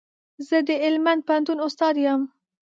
زه د هلمند پوهنتون استاد يم